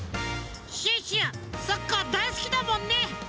シュッシュサッカーだいすきだもんね！